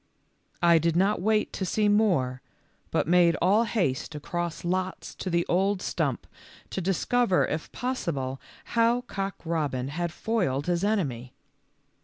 I did not wait to see more, but made all haste across lots to the old stump to discover if possible how Cock robin had foiled his enemy.